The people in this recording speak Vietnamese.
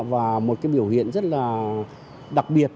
và một biểu hiện rất đặc biệt